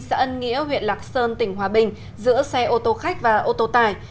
xã ân nghĩa huyện lạc sơn tỉnh hòa bình giữa xe ô tô khách và ô tô tải